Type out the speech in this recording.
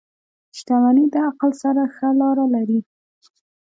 • شتمني د عقل سره ښه لاره لري.